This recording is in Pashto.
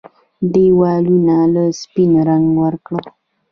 ديوالونو له سپين رنګ ورکړه